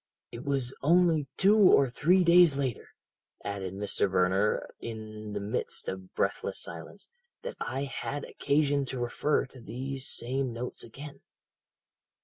"'It was only two or three days later,' added Mr. Verner in the midst of breathless silence, 'that I had occasion to refer to these same notes again.